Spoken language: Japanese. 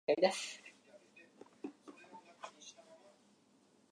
成長産業の創出